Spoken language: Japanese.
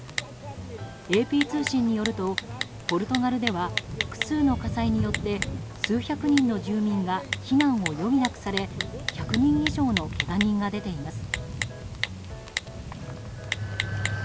ＡＰ通信によるとポルトガルでは複数の火災によって数百人の住民が避難を余儀なくされ１００人以上のけが人が出ています。